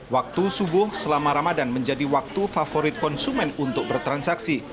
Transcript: waktu subuh selama ramadan menjadi waktu favorit konsumen untuk bertransaksi